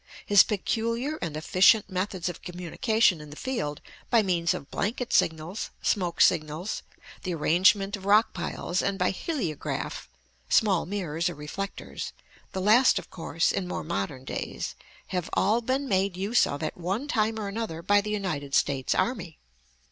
His peculiar and efficient methods of communication in the field by means of blanket signals, smoke signals, the arrangement of rock piles, and by heliograph (small mirrors or reflectors), the last, of course, in more modern days, have all been made use of at one time or another by the United States Army.